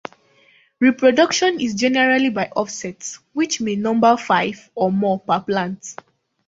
Reproduction is generally by offsets, which may number five or more per plant.